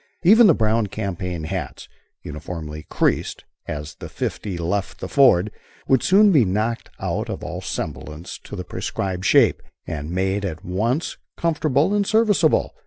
Even the brown campaign hats, uniformly "creased," as the fifty left the ford, would soon be knocked out of all semblance to the prescribed shape, and made at once comfortable and serviceable.